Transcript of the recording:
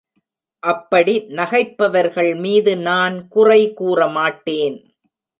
அப்படி நகைப்பவர்கள் மீது நான் குறை கூறமாட்டேன்.